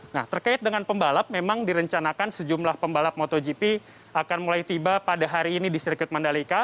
nah terkait dengan pembalap memang direncanakan sejumlah pembalap motogp akan mulai tiba pada hari ini di sirkuit mandalika